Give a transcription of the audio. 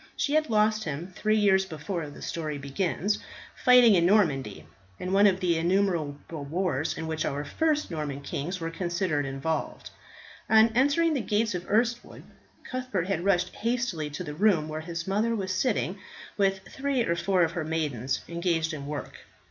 She had lost him, three years before the story begins, fighting in Normandy, in one of the innumerable wars in which our first Norman kings were constantly involved. On entering the gates of Erstwood, Cuthbert had rushed hastily to the room where his mother was sitting with three or four of her maidens, engaged in work.